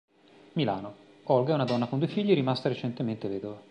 Milano: Olga è una donna con due figli rimasta recentemente vedova.